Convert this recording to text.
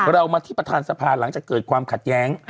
เรามาที่ประธานสภาหลังจากเกิดความขัดแย้ง